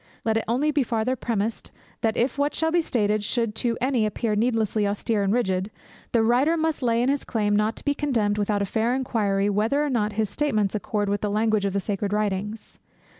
Let it only be farther premised, that if what shall be stated should to any appear needlessly austere and rigid, the writer must lay in his claim not to be condemned, without a fair inquiry whether or not his statements accord with the language of the sacred writings.